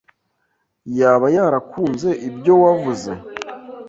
yaba yarakunze ibyo wavuze.